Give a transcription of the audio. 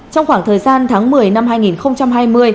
trong khoảng thời gian tháng một mươi năm hai nghìn hai mươi